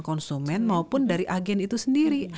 konsumen maupun dari agen itu sendiri